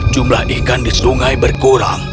jumlah ikan di sungai berkurang